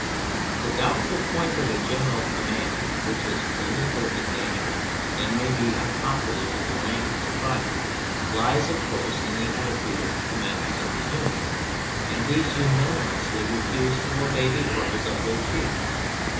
The doubtful point of a general command which is political in nature, and may be unpopular with the rank and file, lies, of course, in the attitude of the commanders of units, and these unanimously refused to obey the orders of their chief.